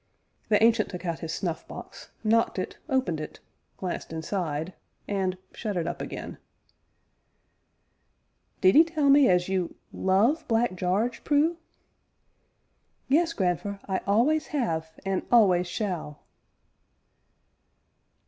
The Ancient took out his snuff box, knocked it, opened it, glanced inside, and shut it up again. "Did 'ee tell me as you love Black Jarge, Prue?" "Yes, grandfer, I always have and always shall!"